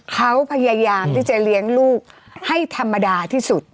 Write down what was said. เขาพยายามที่จะเลี้ยงลูกให้ธรรมดาที่สุด